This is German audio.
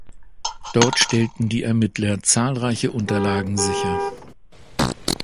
Dort stellten die Ermittler zahlreiche Unterlagen sicher.